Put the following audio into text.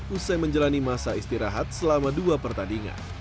usai menjalani masa istirahat selama dua pertandingan